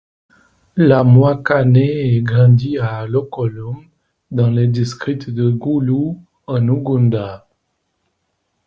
Lamwaka naît et grandit à Alokolum, dans le district de Gulu, en Ouganda.